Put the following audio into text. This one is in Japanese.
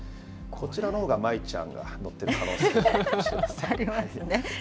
こちらのほうが舞ちゃんが乗ってる可能性がありますね。